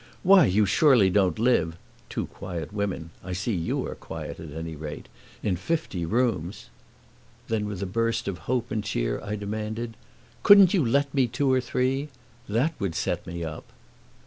"Why, you surely don't live (two quiet women I see YOU are quiet, at any rate) in fifty rooms!" Then with a burst of hope and cheer I demanded: "Couldn't you let me two or three? That would set me up!"